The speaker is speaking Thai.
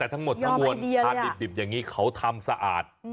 แต่ทั้งหมดภาพดิบอย่างนี้เขาทำสะอาด